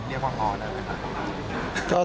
เรียกว่าคอแล้วหรือเปล่า